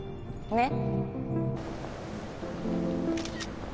ねっ！